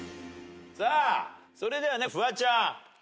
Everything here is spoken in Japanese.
さあそれではフワちゃん。